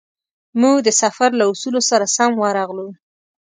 موږ د سفر له اصولو سره سم ورغلو.